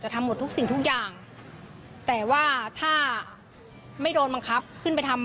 เข้าไปทำงานให้หน่อยไปเปลี่ยนหลังคาบ้านนะคะ